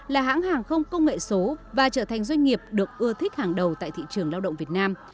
là hãng hàng không công nghệ số và trở thành doanh nghiệp được ưa thích hàng đầu tại thị trường lao động việt nam